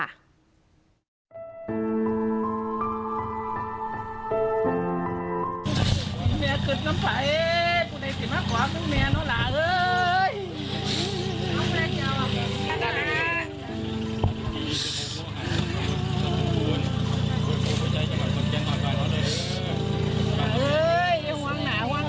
ขอบคุณพูดขอผู้ชายจังหวัดคนเจียงภาควายละนะ